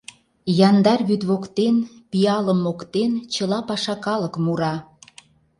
Яндар вӱд воктен, пиалым моктен, Чыла паша калык мура.